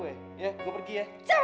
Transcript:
apa mau pergi jalan